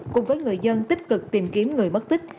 cùng với người dân tích cực tìm kiếm người mất tích